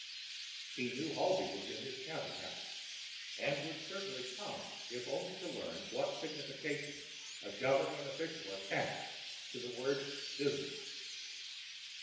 He knew Halsey was at his counting house, and would certainly come if only [pg 179] to learn what signification a Government official attached to the word "business."